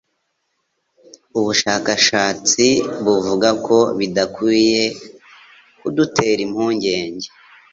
Ubushakashatsi buvuga ko bidakwiye kudutera impungenge